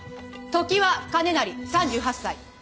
常盤兼成３８歳。